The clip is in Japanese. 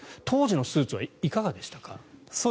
当時のスーツはいかがでしたか？